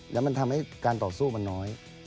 แล้วมันทำให้การต่อสู้มันน้อย